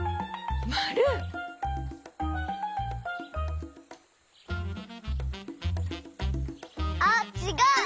まる！あっちがう！